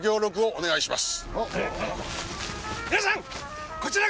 お願いします。